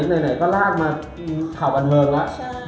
ไหนก็ลากมาข่าวบันเทิงแล้ว